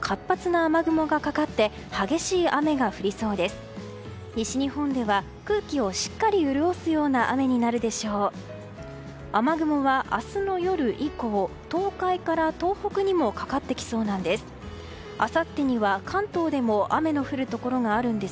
雨雲は明日の夜以降東海から東北にもかかってきそうなんです。